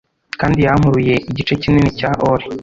kandi yankuruye igice kinini cya ole